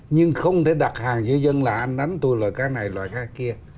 nhưng không thể đặt hàng cho dân là anh đánh tôi loại cá này loại cá kia